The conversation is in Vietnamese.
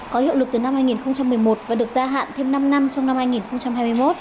có hiệu lực từ năm hai nghìn một mươi một và được gia hạn thêm năm năm trong năm hai nghìn hai mươi một